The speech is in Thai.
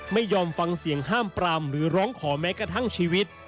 ไม่ยอมฟังเสียงห้ามปรามหรือร้องขอแม้กระทั่งชีวิต